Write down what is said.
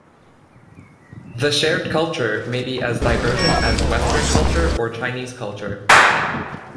The shared culture may be as divergent as Western culture or Chinese culture.